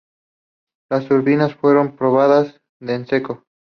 Las turbinas fueron probadas en seco.